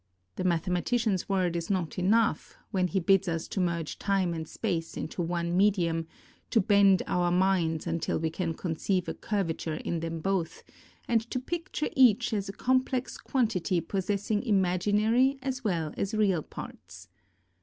The mathematician's word is not enough, when he bids us to merge time and space into one medium, to bend our minds until we can conceive a curvature in them both, and to picture each as a com plex quantity possessing imaginary as well as real parts.